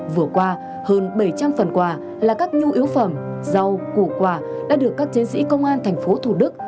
vừa qua hơn bảy trăm linh phần quà là các nhu yếu phẩm rau củ quả đã được các chiến sĩ công an thành phố thủ đức